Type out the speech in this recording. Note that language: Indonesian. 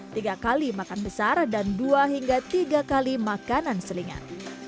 tiga kali makan besar dan dua hingga tiga kali makanan selingat